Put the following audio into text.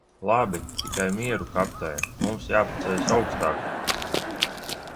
Labi, tikai mieru Kaptein, mums jāpaceļas augstāk!